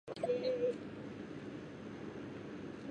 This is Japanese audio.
愛知県幸田町